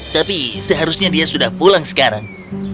tapi seharusnya dia sudah pulang sekarang